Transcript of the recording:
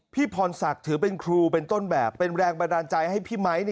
พรศักดิ์ถือเป็นครูเป็นต้นแบบเป็นแรงบันดาลใจให้พี่ไมค์